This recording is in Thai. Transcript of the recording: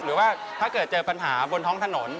หรือว่าถ้าเกิดเจอปัญหาบนท้องถนน